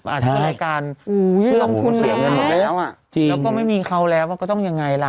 อาจจะเป็นรายการอู๋มันเสียเงินหมดแล้วอ่ะจริงแล้วก็ไม่มีเขาแล้วว่าก็ต้องยังไงล่ะ